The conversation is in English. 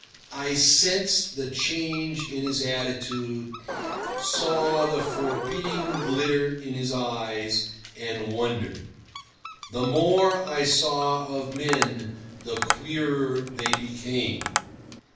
I sensed the change in his attitude, saw the forbidding glitter in his eyes, and wondered. The more I saw of men, the queerer they became.